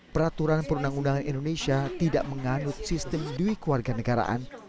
peraturan perundang undangan indonesia tidak menganut sistem dui keluarga negaraan